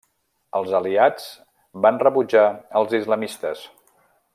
Els aliats van rebutjar als islamistes.